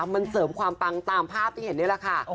มันเสริมความปังตามภาพที่เห็นนี่แหละค่ะ